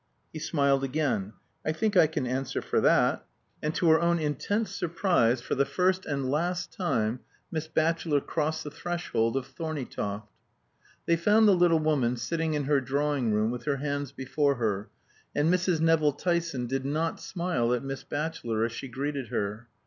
He smiled again. "I think I can answer for that." And to her own intense surprise, for the first and last time Miss Batchelor crossed the threshold of Thorneytoft. They found the little woman sitting in her drawing room with her hands before her, and Mrs. Nevill Tyson did not smile at Miss Batchelor as she greeted her.